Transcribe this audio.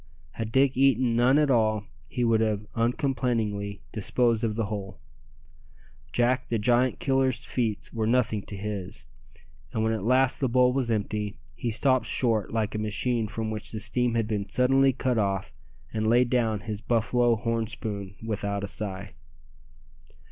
Had Dick eaten none at all he would have uncomplainingly disposed of the whole. Jack the Giant Killer's feats were nothing to his; and when at last the bowl was empty, he stopped short like a machine from which the steam had been suddenly cut off, and laid down his buffalo horn spoon without a sigh.